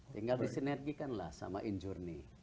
tinggal disinergikanlah sama injourney